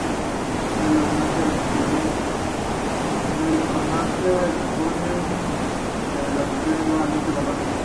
La hornacina para exponer la custodia es claramente barroca.